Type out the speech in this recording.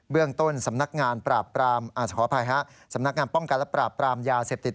เบื้องต้นสำนักงานป้องกัดและปราบปรามยาเสพติด